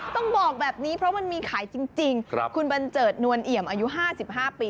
ต้องบอกแบบนี้เพราะมันมีขายจริงคุณบันเจิดนวลเอี่ยมอายุ๕๕ปี